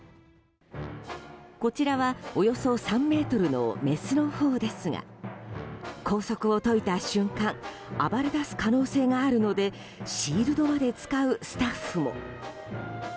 こちらはおよそ３ｍのメスのほうですが拘束を解いた瞬間暴れ出す可能性があるのでシールドまで使うスタッフも。